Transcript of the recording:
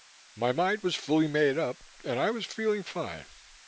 My mind was fully made up and I was feeling fine.